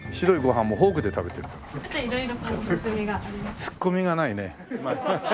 ツッコミがないね。